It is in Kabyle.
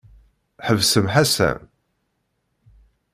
Ḥebsem Ḥasan.